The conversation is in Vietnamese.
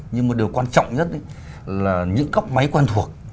nhưng mà điều quan trọng nhất là những góc máy quen thuộc